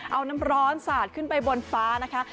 เอาน้ำร้อนสาดขึ้นไปบนฟ้านะคะ